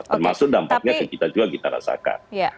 termasuk dampaknya ke kita juga kita rasakan